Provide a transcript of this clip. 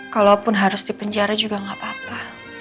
kalaupun harus dipenjara juga gapapa